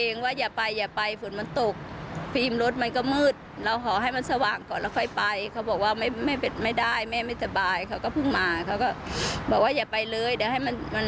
ในอดีตศักดิ์เจริญพนธ์อายุ๖๔ปี